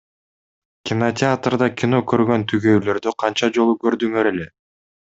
Кинотеатрда кино көргөн түгөйлөрдү канча жолу көрдүңөр эле?